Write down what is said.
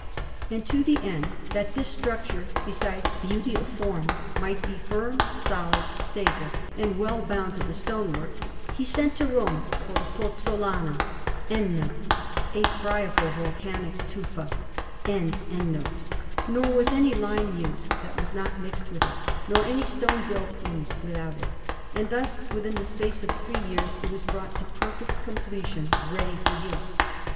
And to the end that this structure, besides beauty of form, might be firm, solid, stable, and well bound in the stonework, he sent to Rome for pozzolana; nor was any lime used that was not mixed with it, nor any stone built in without it; and thus, within the space of three years, it was brought to perfect completion, ready for use.